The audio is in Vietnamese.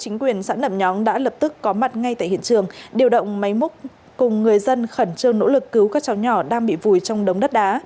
chính quyền xã nẩm nhóm đã lập tức có mặt ngay tại hiện trường điều động máy múc cùng người dân khẩn trương nỗ lực cứu các cháu nhỏ đang bị vùi trong đống đất đá